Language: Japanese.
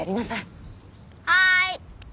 はーい。